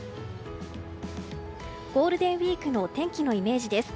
ゴールデンウィークの天気のイメージです。